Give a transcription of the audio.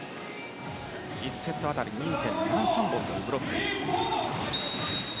１セット当たり２．７３本というブロック。